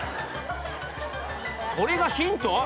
それがヒント？